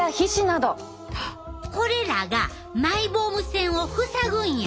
これらがマイボーム腺を塞ぐんや！